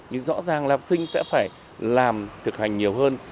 nhưng rõ ràng là học sinh sẽ phải làm thực hành nhiều hơn